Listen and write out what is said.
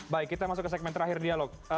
baik kita masuk ke segmen terakhir dialog